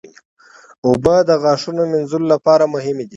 اوبه د غاښونو مینځلو لپاره مهمې دي.